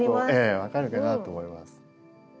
分かるかなと思います。